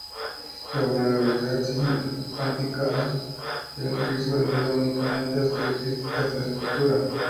La vulnerabilidad sísmica cuantifica el riesgo debido únicamente a las características de la estructura.